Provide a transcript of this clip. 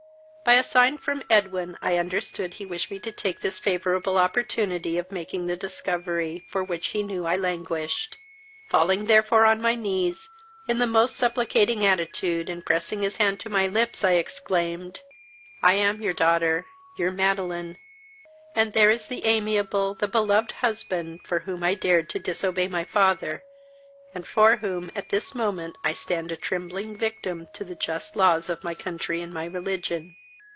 By a sign from Edwin I understood he wished me to take this favourable opportunity of making the discovery, for which he knew I languished. Falling therefore, on my knees, in the most supplicating attitude, and pressing his hand to my lips, I exclaimed: "I am your daughter, your Madeline, and there is the amiable, the beloved husband for whom I dared to disobey my father, and for whom at this moment I stand a trembling victim to the just laws of my country and my religion!"